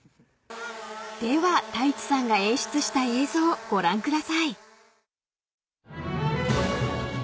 ［では太一さんが演出した映像ご覧ください］